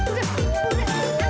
gue gak mau kelawan